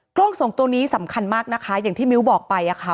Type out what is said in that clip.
กล้องส่งตัวนี้สำคัญมากนะคะอย่างที่มิ้วบอกไปอะค่ะ